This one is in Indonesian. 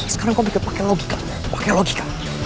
sekarang kamu pikir pakai logika